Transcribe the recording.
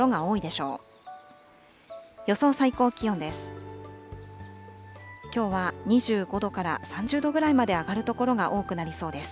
きょうは２５度から３０度ぐらいまで上がる所が多くなりそうです。